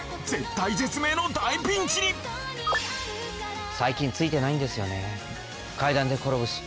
絶体絶命の大ピンチに最近ついてないんですよね。